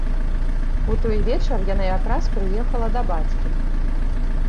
У той вечар яна якраз прыехала да бацькі.